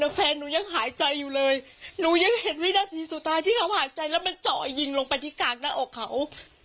แต่แฟนหนูยังหายใจอยู่เลยหนูยังเห็นวินาทีสุดท้ายที่เขาหายใจแล้วมันเจาะยิงลงไปที่กลางหน้าอกเขา